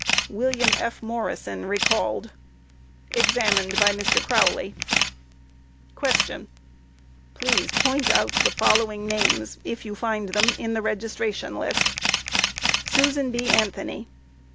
WILLIAM F. MORRISON recalled. Examined by MR. CROWLEY: Q. Please point out the following names, if you find them in the registration list: Susan B. Anthony?